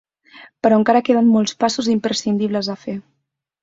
Però encara queden molts passos imprescindibles a fer.